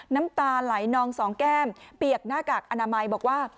น้ำตาไหลนองสองแก้มเปียกหน้ากากอนามัยบอกว่า